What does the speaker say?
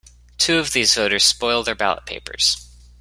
Two of these voters spoil their ballot papers.